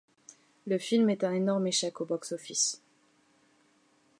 Le film est un énorme échec au Box-Office.